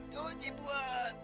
ya oji buat